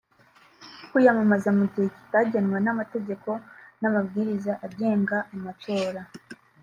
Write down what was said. kwiyamamaza mu gihe kitagenwe n’amategeko n’amabwiriza agenga amatora